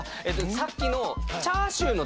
さっきの。